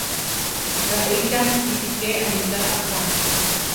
Raícha kíti ke aníka asá!